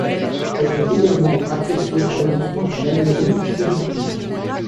Elle peut également être appréciée par l'existence d'une anémie ferriprive.